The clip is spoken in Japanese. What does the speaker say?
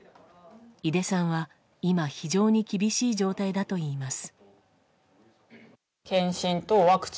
井出さんは今非常に厳しい状態だといいます。